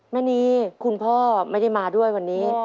แม่นีคุณพ่อไม่ได้มาด้วยวันนี้